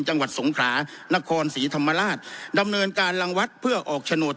จังหวัดสงขรานครศรีธรรมราชดำเนินการรังวัดเพื่อออกโฉนด